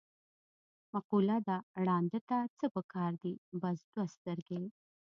مقوله ده: ړانده ته څه په کار دي، بس دوه سترګې.